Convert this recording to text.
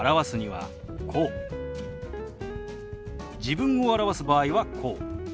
自分を表す場合はこう。